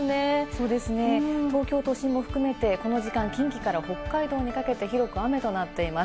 そうですね、東京都心も含めて、この時間、近畿から北海道にかけて、広く雨となっています。